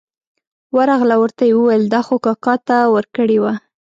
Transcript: ورغله او ورته یې وویل دا خو کاکا ته ورکړې وه.